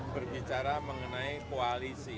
berbicara mengenai koalisi